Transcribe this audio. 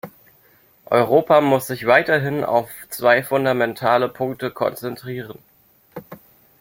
Europa muss sich weiterhin auf zwei fundamentale Punkte konzentrieren.